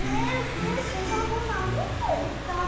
コッシーサボさんどこいったの？